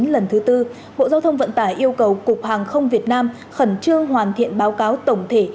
lần thứ tư bộ giao thông vận tải yêu cầu cục hàng không việt nam khẩn trương hoàn thiện báo cáo tổng thể